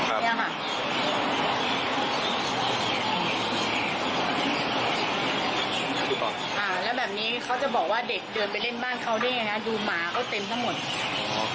แล้วแบบนี้เขาจะบอกว่าเด็กเดินไปเล่นบ้านเขาได้ยังไงนะดูหมาก็เต็มทั้งหมด